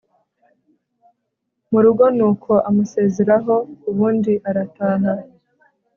murugo nuko amusezeraho ubundi arataha